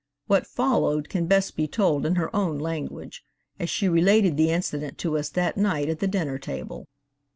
What followed can best be told in her own language, as she related the incident to us that night at the dinner table.